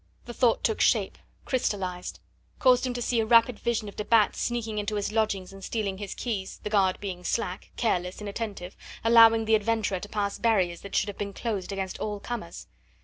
The thought took shape, crystallised, caused him to see a rapid vision of de Batz sneaking into his lodgings and stealing his keys, the guard being slack, careless, inattentive, allowing the adventurer to pass barriers that should have been closed against all comers.